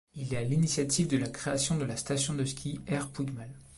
Il est à l'initiative de la création de la station de ski Err-Puigmal.